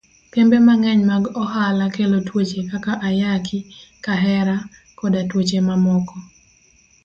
Kembe mang'eny mag ohala kelo tuoche kaka ayaki, kahera, koda tuoche mamoko.